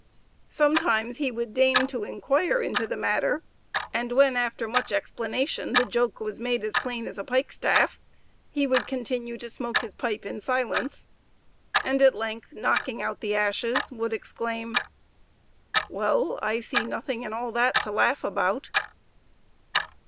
Sometimes he would deign to inquire into the matter, and when, after much explanation, the joke was made as plain as a pike staff, he would continue to smoke his pipe in silence, and at length, knocking out the ashes, would exclaim, "Well! I see nothing in all that to laugh about."